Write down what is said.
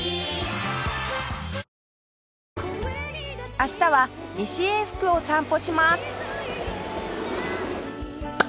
明日は西永福を散歩します